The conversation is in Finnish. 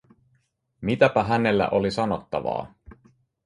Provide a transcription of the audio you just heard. Mitäpä hänellä oli sanottavaa?